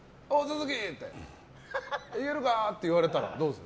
行けるかって言われたらどうする？